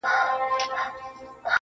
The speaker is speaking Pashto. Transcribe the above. • د ساړه ژمي په تیاره کي مرمه -